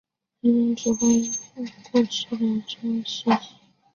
李任与指挥顾福帅精骑出城掩击袭击。